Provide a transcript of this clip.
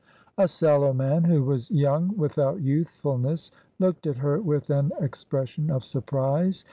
A sallow man, who was young without youthfulness, looked at her with an expression of surprise.